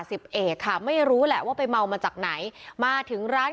สิบเอกค่ะไม่รู้แหละว่าไปเมามาจากไหนมาถึงร้าน